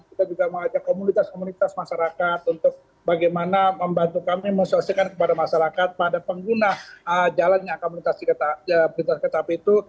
kita juga mengajak komunitas komunitas masyarakat untuk bagaimana membantu kami mensosikan kepada masyarakat pada pengguna jalan yang akan melintasi kereta api itu